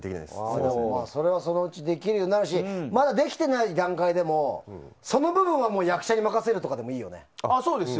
それもそのうちできるようになるしまだできてない段階でもその部分は役者に任せるとかでもいいよね。